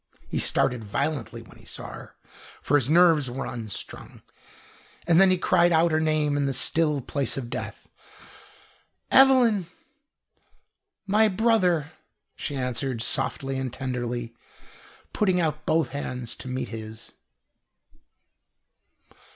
He started violently when he saw her, for his nerves were unstrung and then he cried out her name in the still place of death: "Evelyn!" "My brother!" she answered softly and tenderly, putting out both hands to meet his.